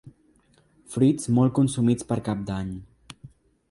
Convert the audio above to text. Fruits molt consumits per cap d'any.